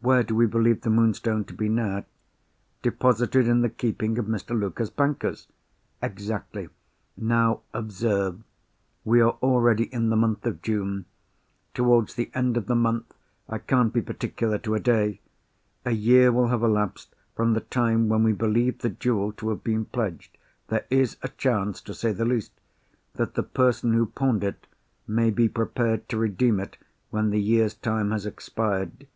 "Where do we believe the Moonstone to be now?" "Deposited in the keeping of Mr. Luker's bankers." "Exactly. Now observe. We are already in the month of June. Towards the end of the month (I can't be particular to a day) a year will have elapsed from the time when we believe the jewel to have been pledged. There is a chance—to say the least—that the person who pawned it, may be prepared to redeem it when the year's time has expired.